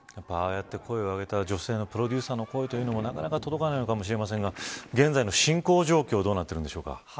ああやって声を上げた女性のプロデューサーの声もなかなか届かないのかもしれませんが現在の侵攻状況どうなっているんですか。